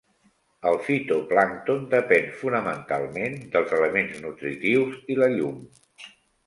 El fitoplàncton depén, fonamentalment, dels elements nutritius i la llum.